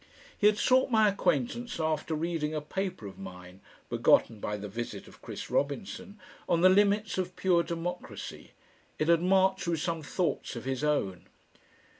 He had sought my acquaintance after reading a paper of mine (begotten by the visit of Chris Robinson) on the limits of pure democracy. It had marched with some thoughts of his own.